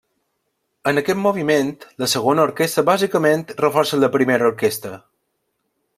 En aquest moviment, la segona orquestra bàsicament reforça la primera orquestra.